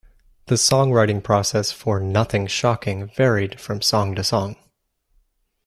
The songwriting process for "Nothing's Shocking" varied from song to song.